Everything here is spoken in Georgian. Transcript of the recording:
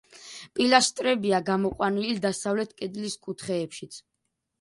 პილასტრებია გამოყვანილი დასავლეთ კედლის კუთხეებშიც.